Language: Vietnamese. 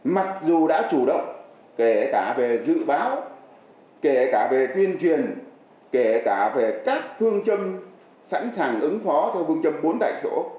mặc dù đã chủ động kể cả về dự báo kể cả về tuyên truyền kể cả về các phương châm sẵn sàng ứng phó theo phương châm bốn tại chỗ